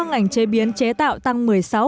ngành chế biến chế tạo tăng một mươi sáu